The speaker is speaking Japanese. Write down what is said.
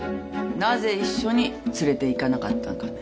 なぜ一緒に連れていかなかったんかね？